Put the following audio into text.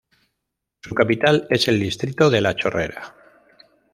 Su capital es el distrito de La Chorrera.